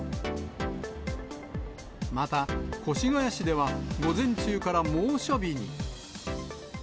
また、越谷市では、午前中から猛暑日に。